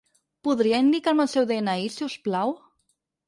Podria indicar-me el seu de-ena-i, si us plau?